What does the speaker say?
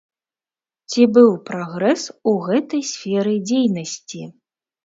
Ці быў прагрэс ў гэтай сферы дзейнасці?